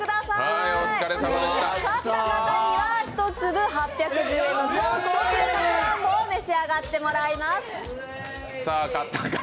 買った方には１粒８１０円の超高級さくらんぼを召し上がっていただきます。